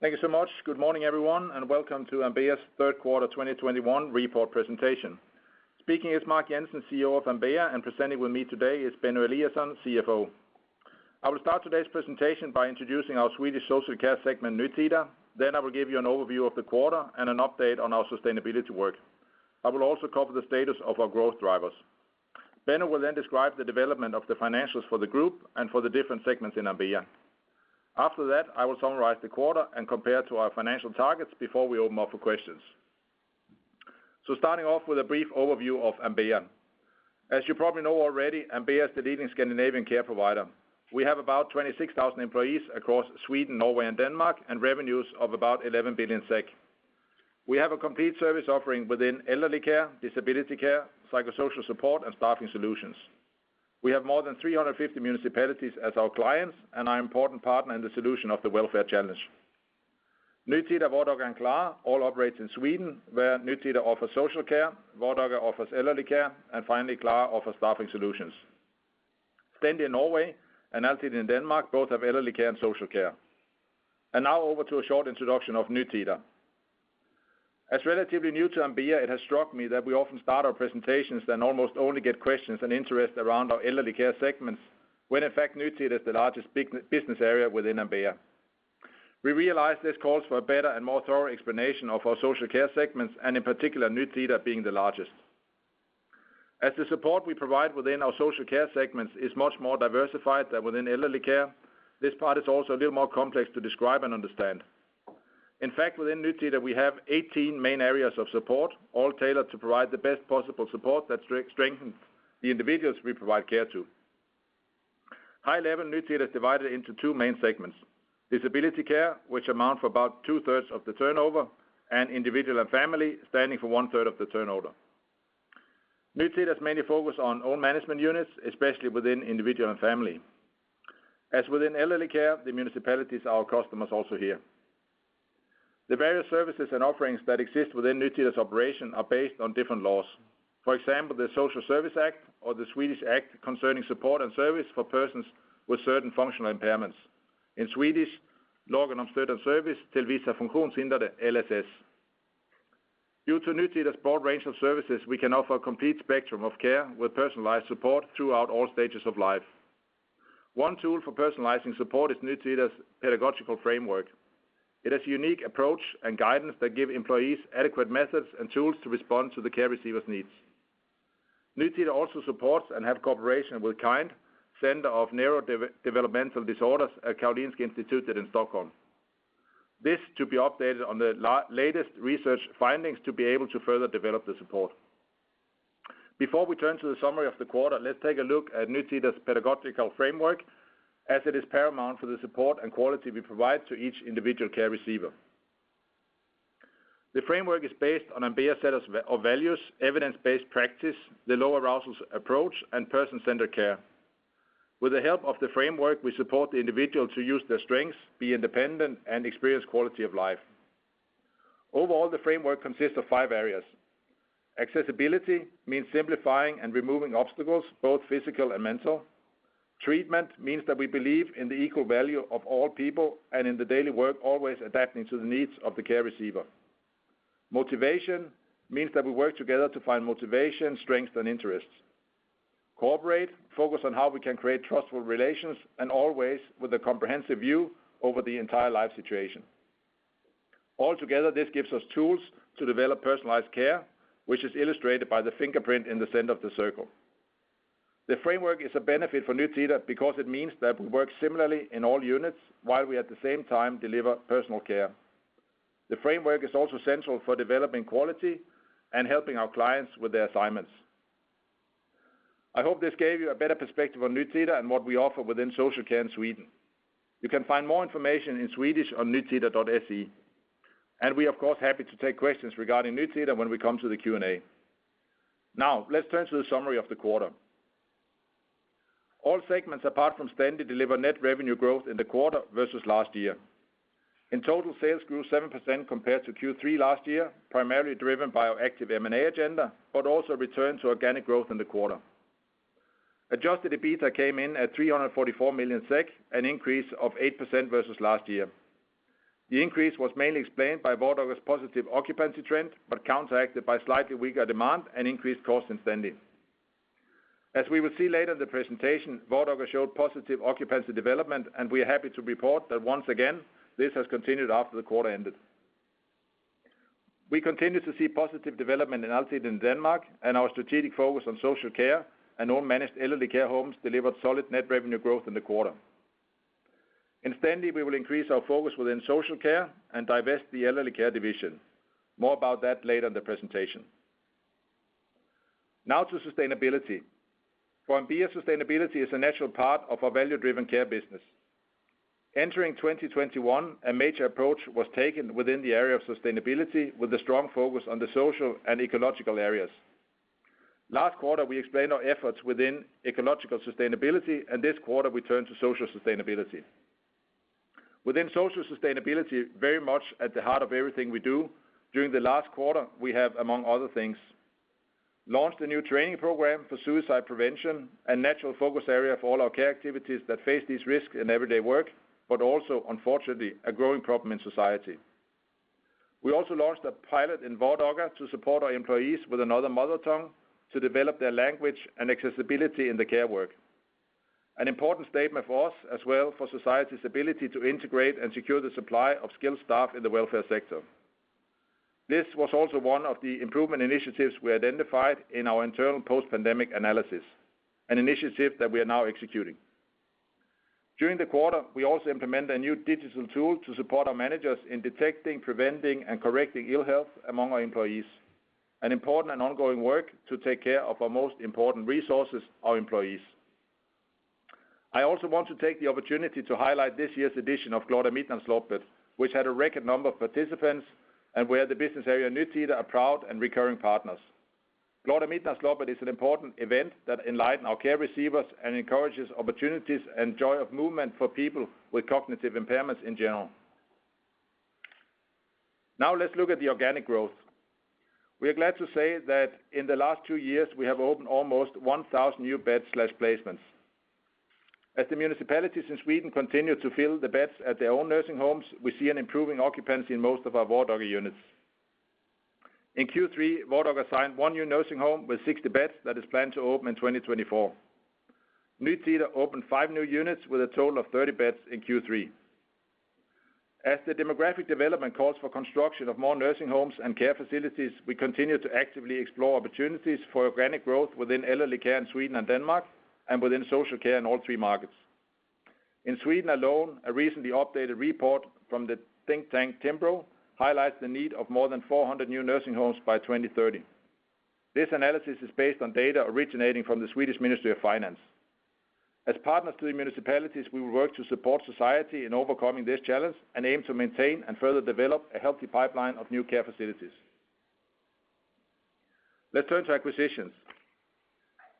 Thank you so much. Good morning, everyone, and welcome to Ambea's Q3 2021 report presentation. Speaking is Mark Jensen, CEO of Ambea, and presenting with me today is Benno Eliasson, CFO. I will start today's presentation by introducing our Swedish social care segment Nytida, then I will give you an overview of the quarter and an update on our sustainability work. I will also cover the status of our growth drivers. Benno will then describe the development of the financials for the group and for the different segments in Ambea. After that, I will summarize the quarter and compare to our financial targets before we open up for questions. Starting off with a brief overview of Ambea. As you probably know already, Ambea is the leading Scandinavian care provider. We have about 26,000 employees across Sweden, Norway, and Denmark, and revenues of about 11 billion SEK. We have a complete service offering within elderly care, disability care, psychosocial support, and staffing solutions. We have more than 350 municipalities as our clients and are an important partner in the solution of the welfare challenge. Nytida, Vardaga, and Klara all operate in Sweden, where Nytida offers social care, Vardaga offers elderly care, and finally Klara offers staffing solutions. Stendi in Norway and Altiden in Denmark both have elderly care and social care. Now over to a short introduction of Nytida. As relatively new to Ambea, it has struck me that we often start our presentations, then almost only get questions and interest around our elderly care segments, when in fact Nytida is the largest business area within Ambea. We realize this calls for a better and more thorough explanation of our social care segments, and in particular, Nytida being the largest. As the support we provide within our social care segments is much more diversified than within elderly care, this part is also a little more complex to describe and understand. In fact, within Nytida, we have 18 main areas of support, all tailored to provide the best possible support that strengthens the individuals we provide care to. At a high level, Nytida is divided into two main segments: disability care, which accounts for about 2/3 of the turnover, and individual and family accounting for 1/3 of the turnover. Nytida is mainly focused on all management units, especially within individual and family. As within elderly care, the municipalities are our customers also here. The various services and offerings that exist within Nytida's operation are based on different laws. For example, the Social Services Act or the Swedish Act Concerning Support and Service for Persons with Certain Functional Impairments. In Swedish, Lagen om stöd och service till vissa funktionshindrade, LSS. Due to Nytida's broad range of services, we can offer a complete spectrum of care with personalized support throughout all stages of life. One tool for personalizing support is Nytida's pedagogical framework. It is a unique approach and guidance that give employees adequate methods and tools to respond to the care receiver's needs. Nytida also supports and have cooperation with KIND, Center of Neurodevelopmental Disorders at Karolinska Institutet in Stockholm. This to be updated on the latest research findings to be able to further develop the support. Before we turn to the summary of the quarter, let's take a look at Nytida's pedagogical framework as it is paramount for the support and quality we provide to each individual care receiver. The framework is based on Ambea's set of values, evidence-based practice, the low arousal approach, and person-centered care. With the help of the framework, we support the individual to use their strengths, be independent, and experience quality of life. Overall, the framework consists of five areas. Accessibility means simplifying and removing obstacles, both physical and mental. Treatment means that we believe in the equal value of all people and in the daily work always adapting to the needs of the care receiver. Motivation means that we work together to find motivation, strength, and interests. Cooperate focuses on how we can create trustful relations and always with a comprehensive view over the entire life situation. Altogether, this gives us tools to develop personalized care, which is illustrated by the fingerprint in the center of the circle. The framework is a benefit for Nytida because it means that we work similarly in all units while we, at the same time, deliver personal care. The framework is also central for developing quality and helping our clients with their assignments. I hope this gave you a better perspective on Nytida and what we offer within social care in Sweden. You can find more information in Swedish on nytida.se, and we are of course happy to take questions regarding Nytida when we come to the Q&A. Now, let's turn to the summary of the quarter. All segments, apart from Stendi, deliver net revenue growth in the quarter versus last year. In total, sales grew 7% compared to Q3 last year, primarily driven by our active M&A agenda, but also a return to organic growth in the quarter. Adjusted EBITDA came in at 344 million SEK, an increase of 8% versus last year. The increase was mainly explained by Vardaga's positive occupancy trend, but counteracted by slightly weaker demand and increased costs in Stendi. As we will see later in the presentation, Vardaga showed positive occupancy development, and we are happy to report that once again, this has continued after the quarter ended. We continue to see positive development in Altiden in Denmark, and our strategic focus on social care and all managed elderly care homes delivered solid net revenue growth in the quarter. In Stendi, we will increase our focus within social care and divest the elderly care division. More about that later in the presentation. Now to sustainability. For Ambea, sustainability is a natural part of our value-driven care business. Entering 2021, a major approach was taken within the area of sustainability with a strong focus on the social and ecological areas. Last quarter, we explained our efforts within ecological sustainability, and this quarter we turn to social sustainability. Within social sustainability, very much at the heart of everything we do, during the last quarter, we have, among other things, launched a new training program for suicide prevention, a natural focus area for all our care activities that face these risks in everyday work, but also unfortunately, a growing problem in society. We also launched a pilot in Vardaga to support our employees with another mother tongue to develop their language and accessibility in the care work. An important statement for us as well for society's ability to integrate and secure the supply of skilled staff in the welfare sector. This was also one of the improvement initiatives we identified in our internal post-pandemic analysis, an initiative that we are now executing. During the quarter, we also implemented a new digital tool to support our managers in detecting, preventing, and correcting ill health among our employees, an important and ongoing work to take care of our most important resources, our employees. I also want to take the opportunity to highlight this year's edition of Glada Midnattsloppet, which had a record number of participants, and where the business area Nytida are proud and recurring partners. Glada Midnattsloppet is an important event that enlighten our care receivers and encourages opportunities and joy of movement for people with cognitive impairments in general. Now let's look at the organic growth. We are glad to say that in the last two years, we have opened almost 1,000 new beds/placements. As the municipalities in Sweden continue to fill the beds at their own nursing homes, we see an improving occupancy in most of our Vardaga units. In Q3, Vardaga signed one new nursing home with 60 beds that is planned to open in 2024. Nytida opened five new units with a total of 30 beds in Q3. As the demographic development calls for construction of more nursing homes and care facilities, we continue to actively explore opportunities for organic growth within elderly care in Sweden and Denmark, and within social care in all three markets. In Sweden alone, a recently updated report from the think tank Timbro highlights the need of more than 400 new nursing homes by 2030. This analysis is based on data originating from the Swedish Ministry of Finance. As partners to the municipalities, we will work to support society in overcoming this challenge and aim to maintain and further develop a healthy pipeline of new care facilities. Let's turn to acquisitions.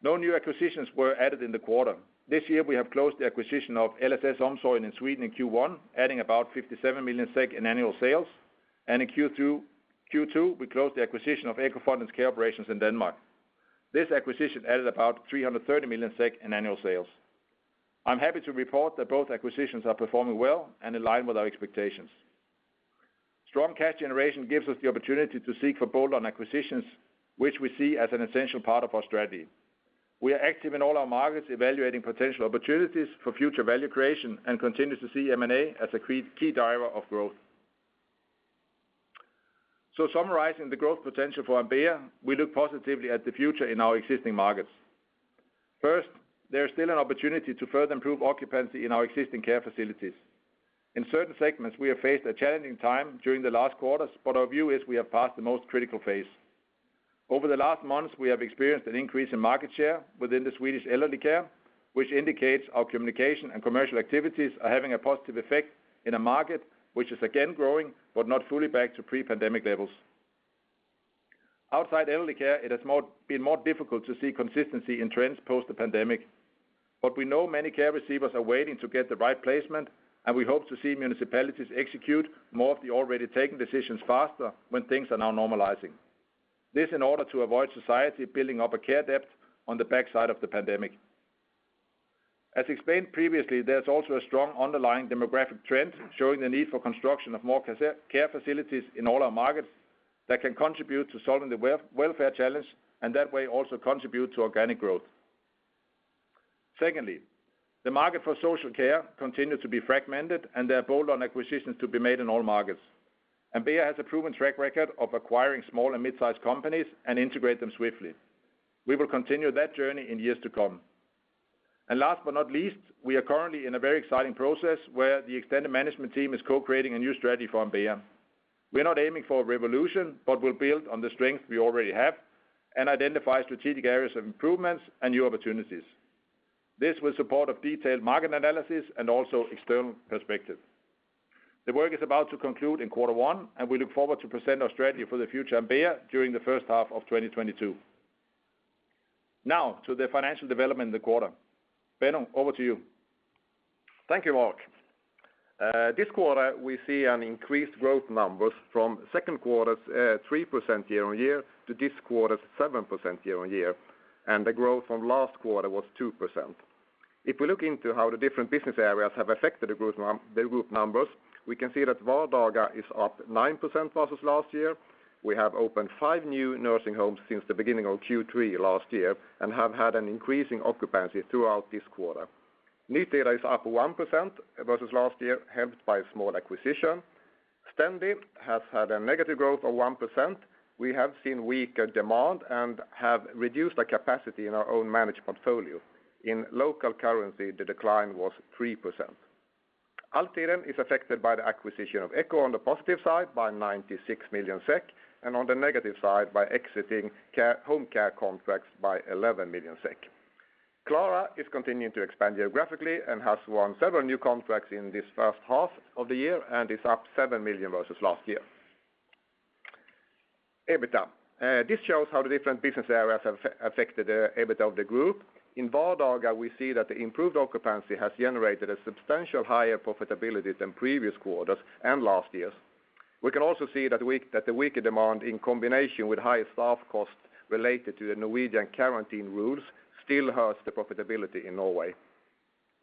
No new acquisitions were added in the quarter. This year, we have closed the acquisition of LSS Omsorgen in Sweden in Q1, adding about 57 million SEK in annual sales. In Q2, we closed the acquisition of EKKOfonden care operations in Denmark. This acquisition added about 330 million SEK in annual sales. I'm happy to report that both acquisitions are performing well and in line with our expectations. Strong cash generation gives us the opportunity to seek for bolt-on acquisitions, which we see as an essential part of our strategy. We are active in all our markets, evaluating potential opportunities for future value creation and continue to see M&A as a key driver of growth. Summarizing the growth potential for Ambea, we look positively at the future in our existing markets. First, there is still an opportunity to further improve occupancy in our existing care facilities. In certain segments, we have faced a challenging time during the last quarters, but our view is we have passed the most critical phase. Over the last months, we have experienced an increase in market share within the Swedish elderly care, which indicates our communication and commercial activities are having a positive effect in a market which is again growing, but not fully back to pre-pandemic levels. Outside elderly care, it has been more difficult to see consistency in trends post the pandemic. We know many care receivers are waiting to get the right placement, and we hope to see municipalities execute more of the already taken decisions faster when things are now normalizing. This in order to avoid society building up a care debt on the backside of the pandemic. As explained previously, there's also a strong underlying demographic trend showing the need for construction of more care facilities in all our markets that can contribute to solving the welfare challenge and that way also contribute to organic growth. Secondly, the market for social care continued to be fragmented, and there are bolt-on acquisitions to be made in all markets. Ambea has a proven track record of acquiring small and mid-sized companies and integrate them swiftly. We will continue that journey in years to come. Last but not least, we are currently in a very exciting process where the extended management team is co-creating a new strategy for Ambea. We're not aiming for a revolution, but we'll build on the strength we already have and identify strategic areas of improvements and new opportunities. This, with support of detailed market analysis and also external perspective. The work is about to conclude in quarter one, and we look forward to present our strategy for the future Ambea during the first half of 2022. Now to the financial development in the quarter. Benno, over to you. Thank you, Mark. This quarter, we see increased growth numbers from second quarter's 3% year-on-year to this quarter's 7% year-on-year, and the growth from last quarter was 2%. If we look into how the different business areas have affected the group numbers, we can see that Vardaga is up 9% versus last year. We have opened five new nursing homes since the beginning of Q3 last year and have had an increasing occupancy throughout this quarter. Nytida is up 1% versus last year, helped by a small acquisition. Stendi has had a negative growth of 1%. We have seen weaker demand and have reduced our capacity in our own managed portfolio. In local currency, the decline was 3%. Altiden is affected by the acquisition of EKKOfonden on the positive side by 96 million SEK, and on the negative side by exiting home care contracts by 11 million SEK. Klara is continuing to expand geographically and has won several new contracts in this first half of the year and is up 7 million versus last year. EBITDA. This shows how the different business areas have affected the EBITDA of the group. In Vardaga, we see that the improved occupancy has generated a substantial higher profitability than previous quarters and last year's. We can also see that the weaker demand in combination with higher staff costs related to the Norwegian quarantine rules still hurts the profitability in Norway.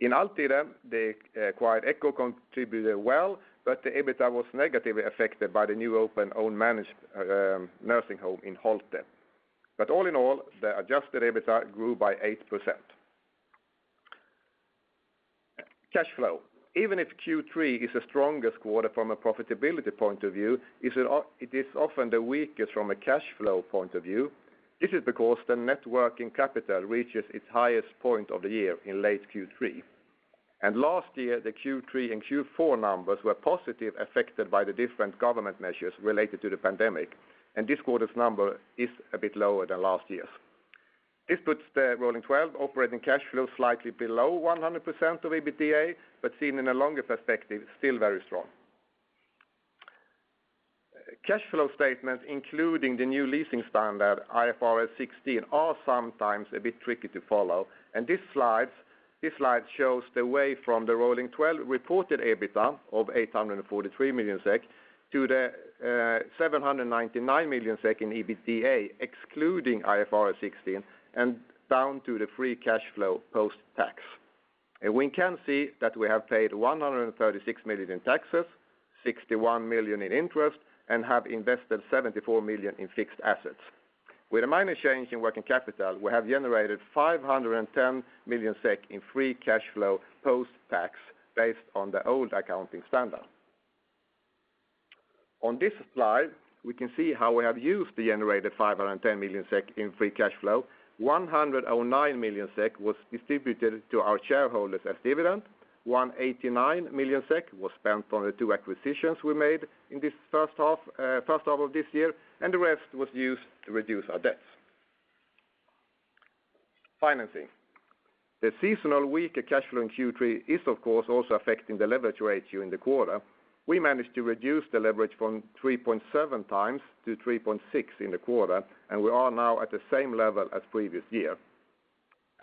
In Altiden, the acquired EKKOfonden contributed well, but the EBITDA was negatively affected by the new open own managed nursing home in Holte. All in all, the adjusted EBITDA grew by 8%. Cash flow. Even if Q3 is the strongest quarter from a profitability point of view, it is often the weakest from a cash flow point of view. This is because the net working capital reaches its highest point of the year in late Q3. Last year, the Q3 and Q4 numbers were positively affected by the different government measures related to the pandemic, and this quarter's number is a bit lower than last year's. This puts the rolling 12 operating cash flow slightly below 100% of EBITDA, but seen in a longer perspective, still very strong. Cash flow statements including the new leasing standard IFRS 16 are sometimes a bit tricky to follow. This slide shows the way from the rolling 12 reported EBITDA of 843 million SEK to the 799 million SEK in EBITDA excluding IFRS 16 and down to the free cash flow post-tax. We can see that we have paid 136 million in taxes, 61 million in interest, and have invested 74 million in fixed assets. With a minor change in working capital, we have generated 510 million SEK in free cash flow post-tax based on the old accounting standard. On this slide, we can see how we have used the generated 510 million SEK in free cash flow. 109 million SEK was distributed to our shareholders as dividend. 189 million SEK was spent on the two acquisitions we made in this first half of this year, and the rest was used to reduce our debt financing. The seasonal weaker cash flow in Q3 is of course also affecting the leverage ratio in the quarter. We managed to reduce the leverage from 3.7x to 3.6x in the quarter, and we are now at the same level as previous year.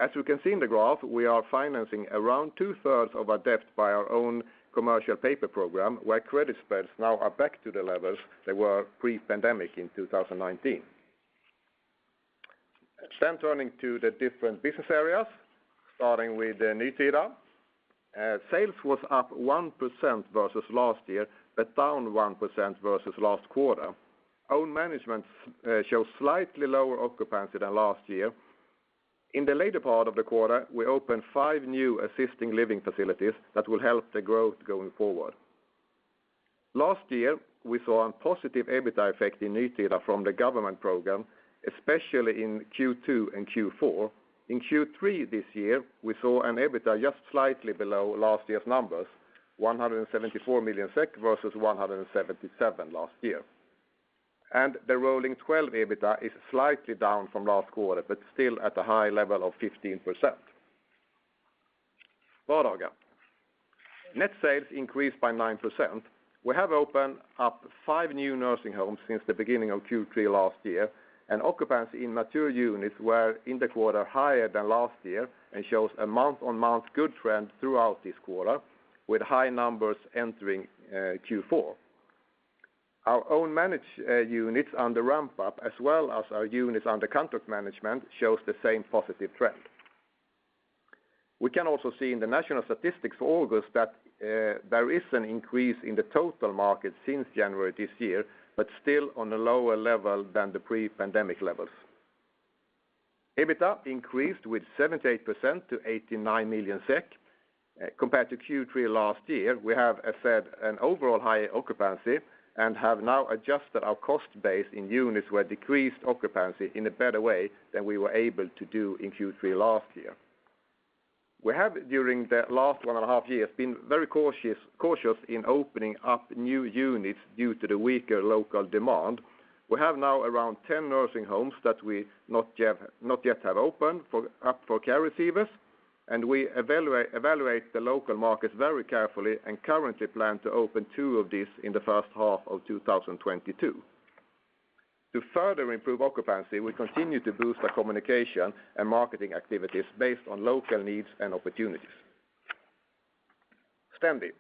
As you can see in the graph, we are financing around 2/3 of our debt by our own commercial paper program, where credit spreads now are back to the levels they were pre-pandemic in 2019. Turning to the different business areas, starting with the Nytida. Sales was up 1% versus last year, but down 1% versus last quarter. Own management shows slightly lower occupancy than last year. In the later part of the quarter, we opened five new assisted living facilities that will help the growth going forward. Last year, we saw a positive EBITDA effect in Nytida from the government program, especially in Q2 and Q4. In Q3 this year, we saw an EBITDA just slightly below last year's numbers, 174 million SEK versus 177 million last year. The rolling 12 EBITDA is slightly down from last quarter, but still at a high level of 15%. Vardaga. Net sales increased by 9%. We have opened up five new nursing homes since the beginning of Q3 last year, and occupancy in mature units were in the quarter higher than last year and shows a month-on-month good trend throughout this quarter, with high numbers entering Q4. Our own managed units on the ramp-up, as well as our units under contract management, shows the same positive trend. We can also see in the national statistics for August that there is an increase in the total market since January this year, but still on a lower level than the pre-pandemic levels. EBITDA increased with 78% to 89 million SEK. Compared to Q3 last year, we have, as said, an overall higher occupancy and have now adjusted our cost base in units where decreased occupancy in a better way than we were able to do in Q3 last year. We have, during the last one and a half years, been very cautious in opening up new units due to the weaker local demand. We have now around 10 nursing homes that we not yet have opened up for care receivers, and we evaluate the local markets very carefully and currently plan to open two of these in the first half of 2022. To further improve occupancy, we continue to boost our communication and marketing activities based on local needs and opportunities. Stendi.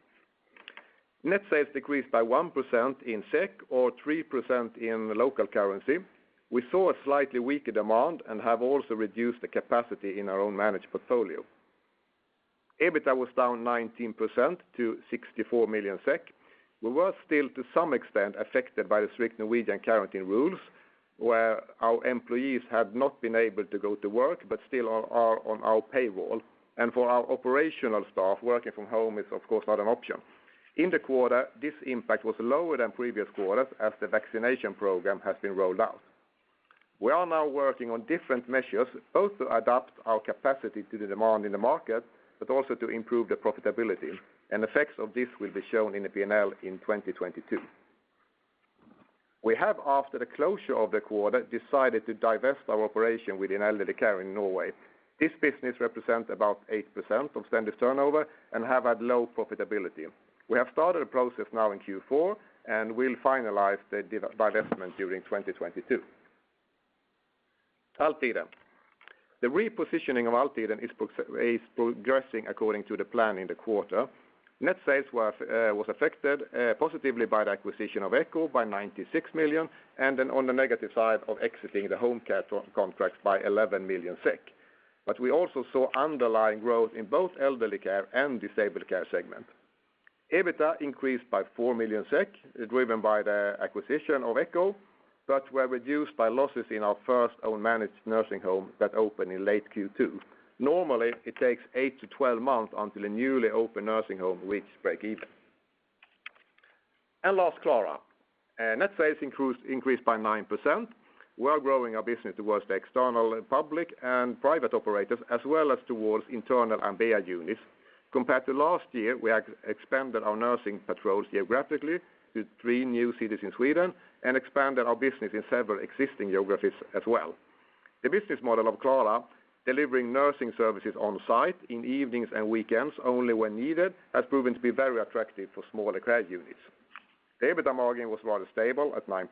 Net sales decreased by 1% in SEK or 3% in the local currency. We saw a slightly weaker demand and have also reduced the capacity in our own managed portfolio. EBITDA was down 19% to 64 million SEK. We were still, to some extent, affected by the strict Norwegian quarantine rules, where our employees have not been able to go to work, but still are on our payroll. For our operational staff, working from home is of course not an option. In the quarter, this impact was lower than previous quarters as the vaccination program has been rolled out. We are now working on different measures, both to adapt our capacity to the demand in the market, but also to improve the profitability, and effects of this will be shown in the P&L in 2022. We have, after the closure of the quarter, decided to divest our operation within elderly care in Norway. This business represents about 8% of Stendi's turnover and have had low profitability. We have started a process now in Q4, and we'll finalize the divestment during 2022. Altiden. The repositioning of Altiden is progressing according to the plan in the quarter. Net sales was affected positively by the acquisition of EKKO by 96 million, and then on the negative side of exiting the home care contracts by 11 million SEK. We also saw underlying growth in both elderly care and disabled care segment. EBITDA increased by 4 million SEK, driven by the acquisition of EKKO, but were reduced by losses in our first own managed nursing home that opened in late Q2. Normally, it takes eight to 12 months until a newly opened nursing home reach breakeven. Last, Klara. Net sales increased by 9%. We are growing our business towards the external and public and private operators, as well as towards internal Ambea units. Compared to last year, we expanded our nursing personnel geographically to three new cities in Sweden, and expanded our business in several existing geographies as well. The business model of Klara, delivering nursing services on-site in evenings and weekends only when needed, has proven to be very attractive for smaller care units. EBITDA margin was rather stable at 9%,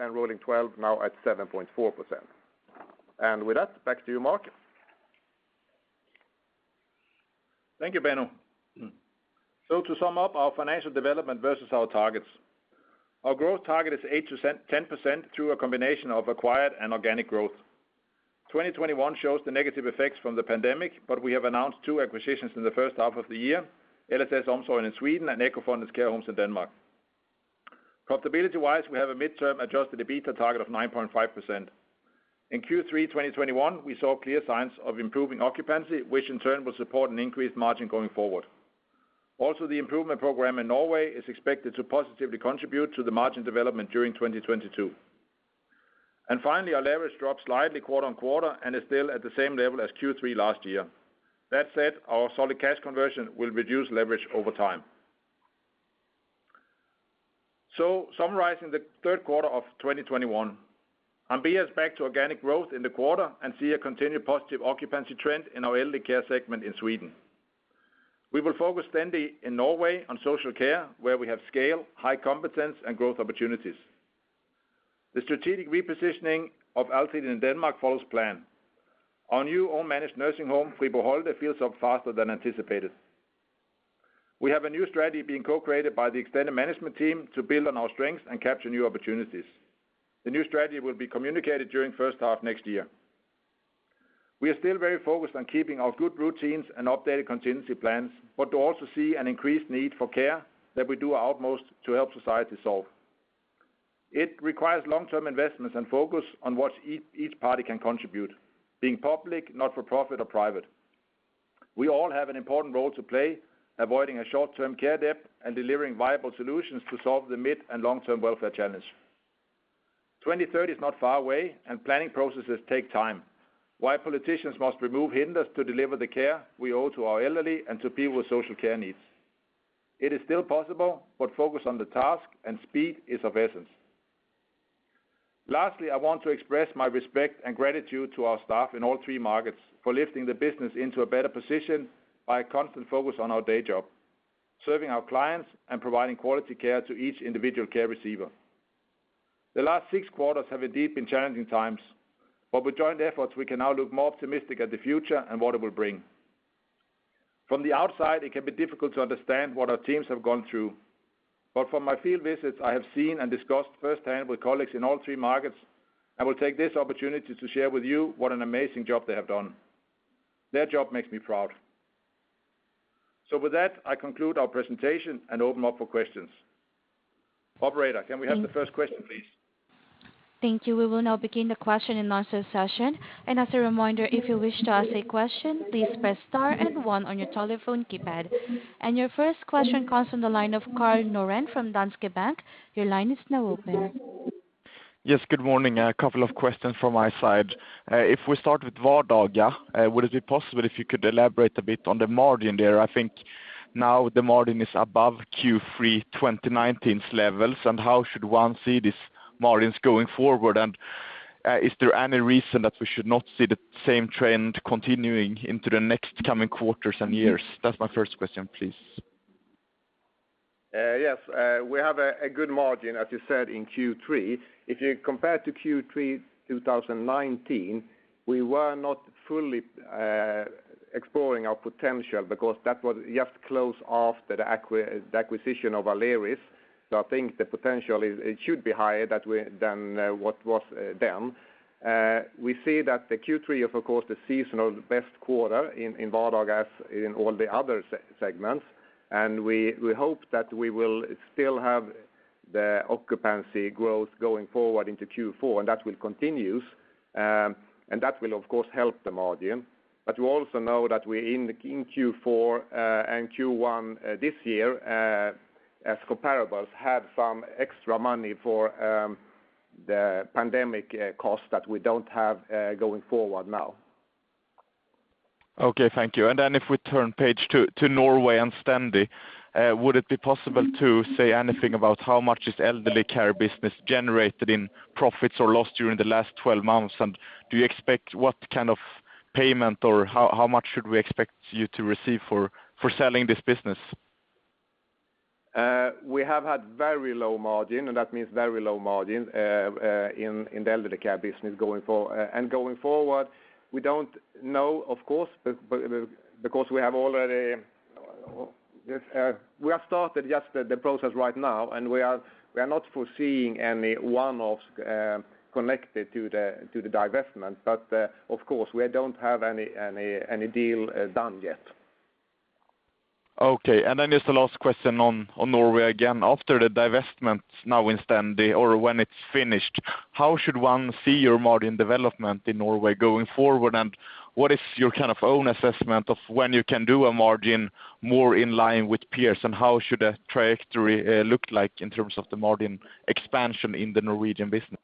and rolling 12 now at 7.4%. With that, back to you, Mark. Thank you, Benno. To sum up our financial development versus our targets. Our growth target is 8%-10% through a combination of acquired and organic growth. 2021 shows the negative effects from the pandemic, but we have announced two acquisitions in the first half of the year: LSS Omsorgen in Sweden and EKKOfonden's Care Homes in Denmark. Profitability-wise, we have a midterm adjusted EBITDA target of 9.5%. In Q3 2021, we saw clear signs of improving occupancy, which in turn will support an increased margin going forward. Also, the improvement program in Norway is expected to positively contribute to the margin development during 2022. Finally, our leverage dropped slightly quarter-on-quarter, and is still at the same level as Q3 last year. That said, our solid cash conversion will reduce leverage over time. Summarizing the third quarter of 2021. Ambea is back to organic growth in the quarter, and we see a continued positive occupancy trend in our elderly care segment in Sweden. We will focus Stendi in Norway on social care, where we have scale, high competence, and growth opportunities. The strategic repositioning of Altiden in Denmark follows plan. Our new own managed nursing home, Fribo Holte, fills up faster than anticipated. We have a new strategy being co-created by the extended management team to build on our strengths and capture new opportunities. The new strategy will be communicated during first half next year. We are still very focused on keeping our good routines and updated contingency plans, but we also see an increased need for care that we do our utmost to help society solve. It requires long-term investments and focus on what each party can contribute, being public, not-for-profit, or private. We all have an important role to play avoiding a short-term care debt and delivering viable solutions to solve the mid and long-term welfare challenge. 2030 is not far away, and planning processes take time, while politicians must remove hindrances to deliver the care we owe to our elderly and to people with social care needs. It is still possible, but focus on the task and speed is of the essence. Lastly, I want to express my respect and gratitude to our staff in all three markets for lifting the business into a better position by a constant focus on our day job, serving our clients and providing quality care to each individual care receiver. The last six quarters have indeed been challenging times, but with joint efforts, we can now look more optimistic at the future and what it will bring. From the outside, it can be difficult to understand what our teams have gone through. From my field visits, I have seen and discussed firsthand with colleagues in all three markets. I will take this opportunity to share with you what an amazing job they have done. Their job makes me proud. With that, I conclude our presentation and open up for questions. Operator, can we have the first question, please? Thank you. We will now begin the question and answer session. As a reminder, if you wish to ask a question, please press star and one on your telephone keypad. Your first question comes from the line of Karl Norén from Danske Bank. Your line is now open. Yes, good morning. A couple of questions from my side. If we start with Vardaga, would it be possible if you could elaborate a bit on the margin there? I think now the margin is above Q3 2019's levels, and how should one see these margins going forward? Is there any reason that we should not see the same trend continuing into the next coming quarters and years? That's my first question, please. Yes, we have a good margin, as you said, in Q3. If you compare to Q3 2019, we were not fully exploring our potential because that was just close after the acquisition of Aleris. I think the potential is, it should be higher that way than what was then. We see that Q3 of course the seasonal best quarter in Vardaga as in all the other segments. We hope that we will still have the occupancy growth going forward into Q4, and that will continue. That will of course help the margin. You also know that we're in Q4 and Q1 this year as comparables have some extra money for the pandemic costs that we don't have going forward now. Okay, thank you. If we turn page to Norway and Stendi, would it be possible to say anything about how much this elderly care business generated in profits or loss during the last 12 months? Do you expect what kind of payment or how much should we expect you to receive for selling this business? We have had very low margin, and that means very low margin in the elderly care business going forward. We don't know, of course, but because we have already started the process right now, and we are not foreseeing any one-offs connected to the divestment. Of course, we don't have any deal done yet. Okay. Then just the last question on Norway again. After the divestments now in Stendi or when it's finished, how should one see your margin development in Norway going forward? What is your kind of own assessment of when you can do a margin more in line with peers, and how should a trajectory look like in terms of the margin expansion in the Norwegian business?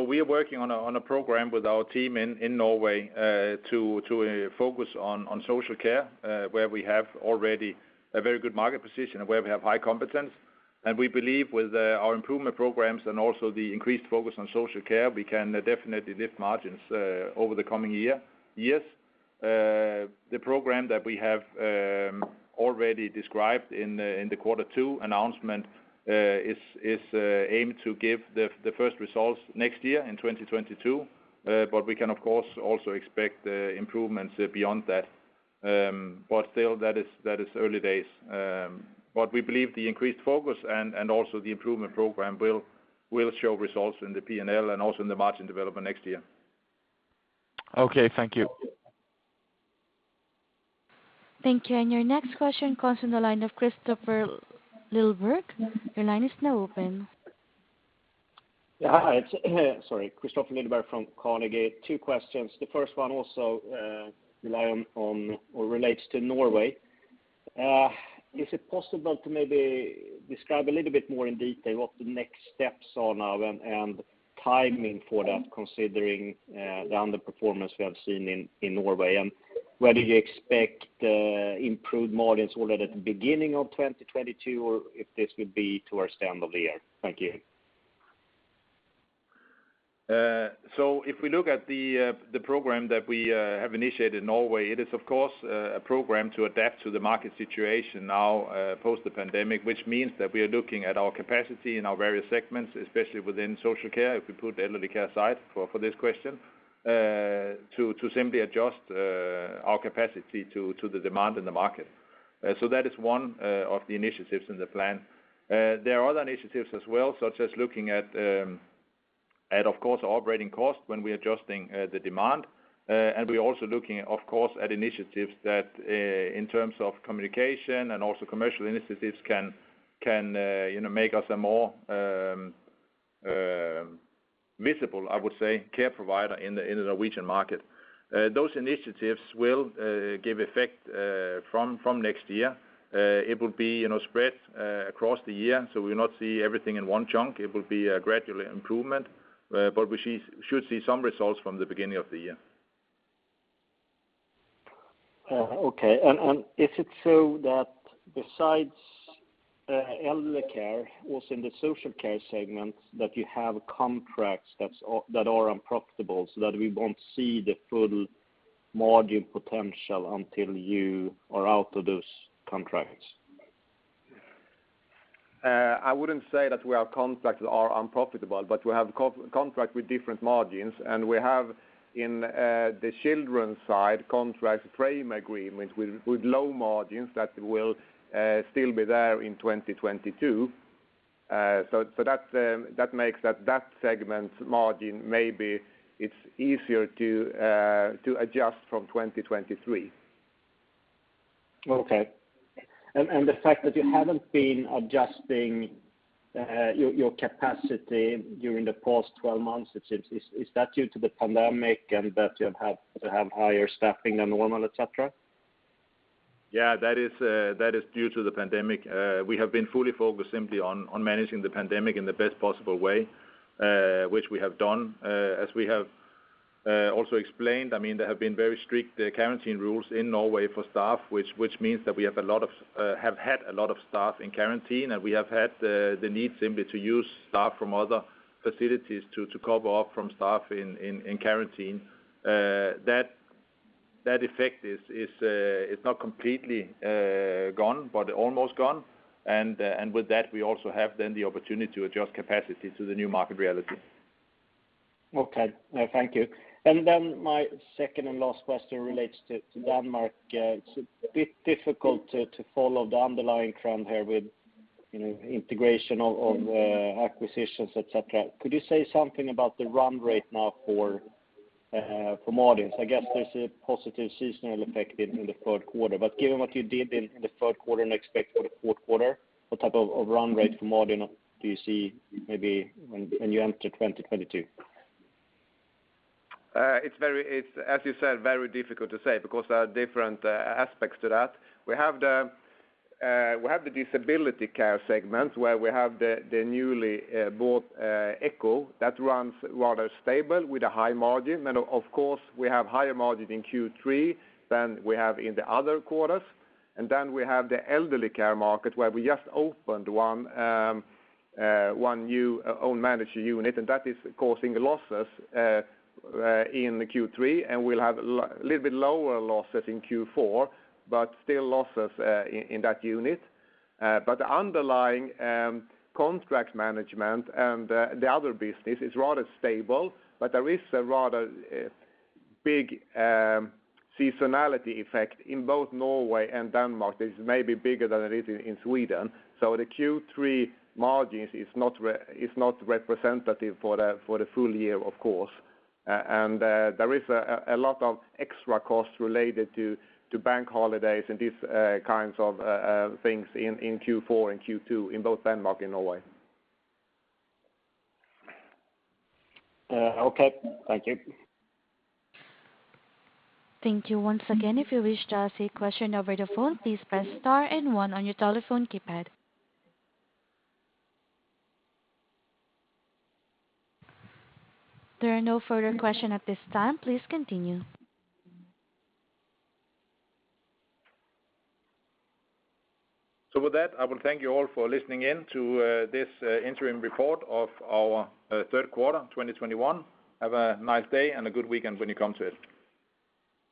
We are working on a program with our team in Norway to focus on social care where we have already a very good market position and where we have high competence. We believe with our improvement programs and also the increased focus on social care, we can definitely lift margins over the coming years. The program that we have already described in the quarter two announcement is aimed to give the first results next year in 2022. We can of course also expect improvements beyond that. Still that is early days. We believe the increased focus and also the improvement program will show results in the P&L and also in the margin development next year. Okay, thank you. Thank you. Your next question comes from the line of Kristofer Liljeberg. Your line is now open. Kristofer Liljeberg from Carnegie. Two questions. The first one also relates to Norway. Is it possible to maybe describe a little bit more in detail what the next steps are now and timing for that, considering the underperformance we have seen in Norway? And whether you expect improved margins already at the beginning of 2022, or if this will be towards the end of the year. Thank you. If we look at the program that we have initiated in Norway, it is of course a program to adapt to the market situation now, post the pandemic, which means that we are looking at our capacity in our various segments, especially within social care, if we put elderly care aside for this question to simply adjust our capacity to the demand in the market. That is one of the initiatives in the plan. There are other initiatives as well, such as looking at of course our operating costs when we're adjusting the demand. We're also looking of course at initiatives that in terms of communication and also commercial initiatives can you know make us a more visible I would say care provider in the Norwegian market. Those initiatives will give effect from next year. It will be you know spread across the year so we'll not see everything in one chunk. It will be a gradual improvement. We should see some results from the beginning of the year. Is it so that besides elderly care, also in the social care segment, that you have contracts that's that are unprofitable so that we won't see the full margin potential until you are out of those contracts? I wouldn't say that we have contracts that are unprofitable, but we have contract with different margins, and we have in the children's side contract frame agreements with low margins that will still be there in 2022. So that's that makes that segment margin maybe it's easier to adjust from 2023. Okay. The fact that you haven't been adjusting your capacity during the past 12 months, is that due to the pandemic and that you have to have higher staffing than normal, et cetera? Yeah, that is due to the pandemic. We have been fully focused simply on managing the pandemic in the best possible way, which we have done. As we have also explained, I mean, there have been very strict quarantine rules in Norway for staff, which means that we have had a lot of staff in quarantine, and we have had the need simply to use staff from other facilities to cover for staff in quarantine. That effect is not completely gone, but almost gone, and with that, we also have the opportunity to adjust capacity to the new market reality. Okay. No, thank you. My second and last question relates to Denmark. It's a bit difficult to follow the underlying trend here with, you know, integration of acquisitions, et cetera. Could you say something about the run rate now for margins? I guess there's a positive seasonal effect in the third quarter. Given what you did in the third quarter and expect for the fourth quarter, what type of run rate for margin do you see maybe when you enter 2022? It's very difficult to say because there are different aspects to that. We have the disability care segment where we have the newly bought EKKO that runs rather stable with a high margin. Of course we have higher margin in Q3 than we have in the other quarters. Then we have the elderly care market where we just opened one new own managed unit, and that is causing losses in Q3, and we'll have little bit lower losses in Q4, but still losses in that unit. The underlying contract management and the other business is rather stable, but there is a rather big seasonality effect in both Norway and Denmark. It's maybe bigger than it is in Sweden. The Q3 margins is not representative for the full-year, of course. There is a lot of extra costs related to bank holidays and these kinds of things in Q4 and Q2 in both Denmark and Norway. Okay. Thank you. Thank you once again. If you wish to ask a question over the phone, please press star and one on your telephone keypad. There are no further question at this time. Please continue. With that, I will thank you all for listening in to this interim report of our third quarter 2021. Have a nice day and a good weekend when you come to it.